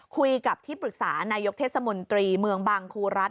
คุยกับที่ปรึกษานายกเทศมนตรีเมืองบางครูรัฐ